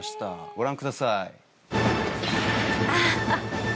ご覧ください。